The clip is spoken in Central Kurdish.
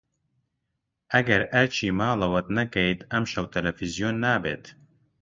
ئەگەر ئەرکی ماڵەوەت نەکەیت، ئەمشەو تەلەڤیزیۆن نابێت.